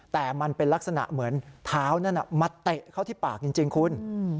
แต่มันเป็นลักษณะเหมือนเท้านั่นมาเตะเข้าที่ปากจริงคุณ